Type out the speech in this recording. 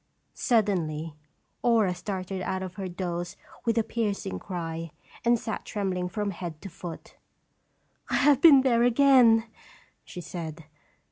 Suddenly Aura started out of her doze with a piercing cry, and sat trembling from head to foot. "I have been there again," she said.